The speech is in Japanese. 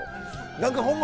何かほんま